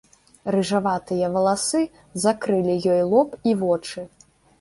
Рыжаватыя валасы закрылі ёй лоб і вочы.